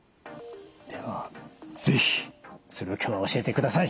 では是非それを今日は教えてください。